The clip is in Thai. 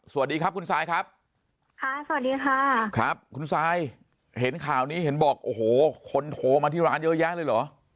สวัสดีครับคุณซายครับคุณซายเห็นข่าวนี้เห็นบอกโอ้โหคนโทรมาที่ร้านเยอะแยะเลยหรอ